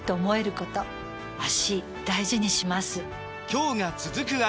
今日が、続く脚。